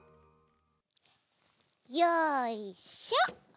よいしょ！